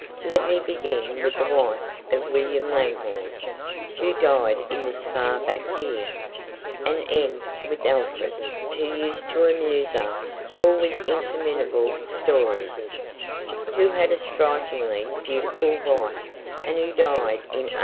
Let me begin with "The wife of William Langhorne," who died in this far back year, and end with Alfred, who used to amuse us all with interminable stories, who had a strikingly beautiful wife, and who died in 1874.